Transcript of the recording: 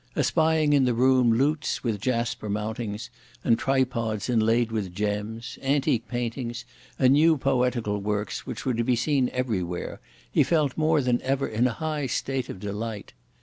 Espying in the room lutes, with jasper mountings, and tripods, inlaid with gems, antique paintings, and new poetical works, which were to be seen everywhere, he felt more than ever in a high state of delight.